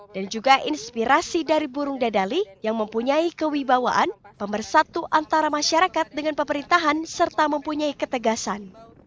dan juga inspirasi dari burung dadali yang mempunyai kewibawaan pemersatu antara masyarakat dengan pemerintahan serta mempunyai ketegasan